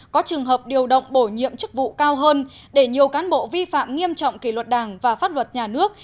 có trường hợp điều động bổ nhiệm chức vụ cao hơn để nhiều cán bộ vi phạm nghiêm trọng kỷ luật đảng và pháp luật nhà nước